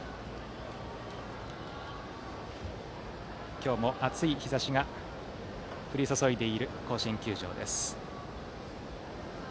今日も熱い日ざしが降り注いでいる甲子園球場です。